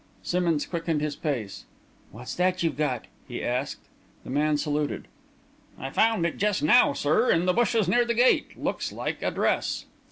Simmonds quickened his pace. "What's that you've got?" he asked. The man saluted. "I found it just now, sir, in the bushes near the gate. Looks like a dress."